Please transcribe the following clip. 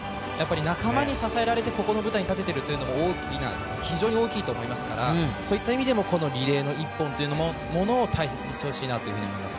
仲間に支えられてこの舞台に立っているというのも非常に大きいと思いますのでそういった意味でもこのリレーの１本というのも大事にしてほしいなと思います。